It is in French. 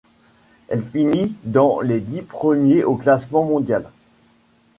Elle finit dans les dix premiers au classement mondial.